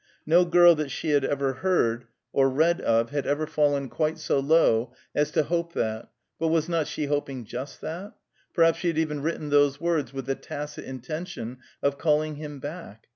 No girl that she ever heard or read of, had ever fallen quite so low as to hope that; but was not she hoping just that? Perhaps she had even written those words with the tacit intention of calling him back!